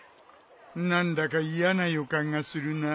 何だか嫌な予感がするなあ。